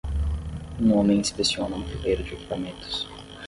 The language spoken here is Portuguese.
Um homem inspeciona uma fileira de equipamentos.